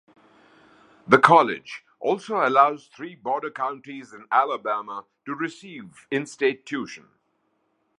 The college also allows three border counties in Alabama to receive in state tuition.